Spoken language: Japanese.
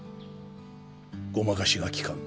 ごまかしが効かぬ。